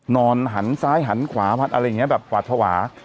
นอนหันซ้ายหันขวาผัดอะไรอย่างนี้แบบหวาดภาวะ